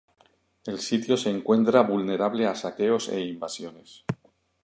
El sitio se encuentra vulnerable a saqueos e invasiones.